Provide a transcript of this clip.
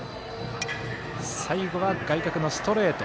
最後は、外角のストレート。